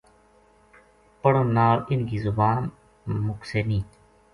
پڑھن نال اِنھ کی زبان مُکسے نیہہ